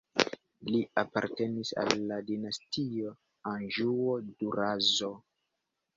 Li apartenis al la dinastio Anĵuo-Durazzo.